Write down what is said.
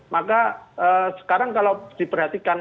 maka sekarang kalau diperhatikan